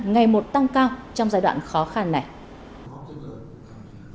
ngày một tăng cao trong giai đoạn khó khăn này